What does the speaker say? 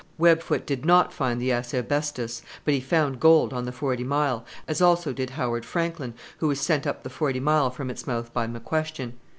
Web foot did not find the 'Asiebestos,' but he found gold on the Forty Mile, as also did Howard Franklin, who was sent up the Forty Mile from its mouth by McQuestion.